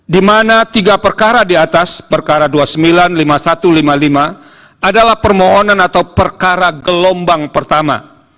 di mana tiga perkara di atas perkara dua puluh sembilan lima puluh satu lima puluh lima adalah permohonan atau perkara gelombang pertama